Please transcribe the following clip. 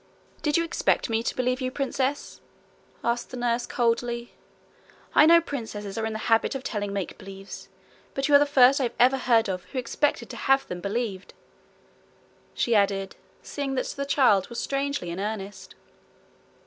'Did you expect me to believe you, princess?' asked the nurse coldly. 'I know princesses are in the habit of telling make believes, but you are the first I ever heard of who expected to have them believed,' she added, seeing that the child was strangely in earnest.